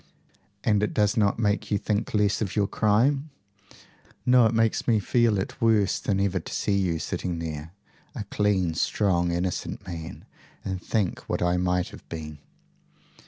"And it does not make you think less of your crime?" "No. It makes me feel it worse than ever to see you sitting there, a clean, strong, innocent man, and think what I might have been."